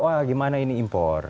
wah gimana ini impor